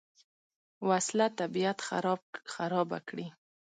وسله طبیعت خرابه کړي